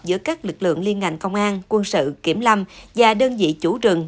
giữa các lực lượng liên ngành công an quân sự kiểm lâm và đơn vị chủ rừng